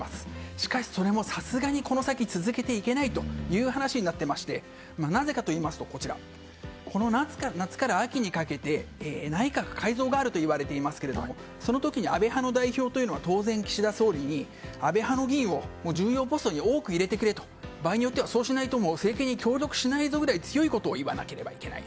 しかしそれもさすがにこの先に続けていけないという話になっていましてなぜかといいますとこの夏から秋にかけて内閣改造があるといわれていますがその時に安部派の代表は当然、岸田総理に安倍派の議員を重要ポストに多く入れてくれと場合によってはそうしないと政権に協力しないぞぐらい強いことを言わなきゃいけない。